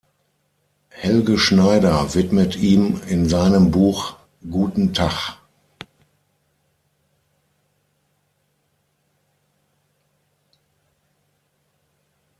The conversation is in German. Helge Schneider widmet ihm in seinem Buch "Guten Tach!